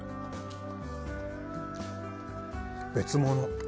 別物。